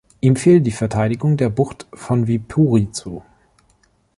Ihm fiel die Verteidigung der Bucht von Viipuri zu.